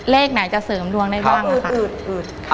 เลขไหนจะเสริมรวมได้บ้าง